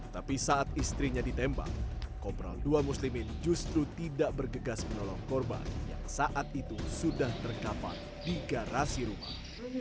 tapi saat istrinya ditembak kopral ii muslimin justru tidak bergegas menolong korban yang saat itu sudah terkapar di garasi rumah